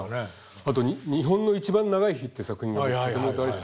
あと「日本のいちばん長い日」って作品がとても大好きで。